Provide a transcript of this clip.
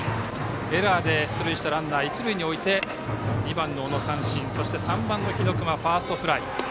エラーで出塁したランナーを一塁に置いて２番の小野、三振３番、日隈はファーストフライ。